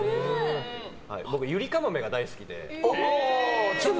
僕、ゆりかもめが大好きで。